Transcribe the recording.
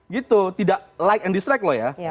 gitu tidak like and dislike loh ya